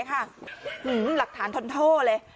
หื้มหลักฐานทนโท่เลย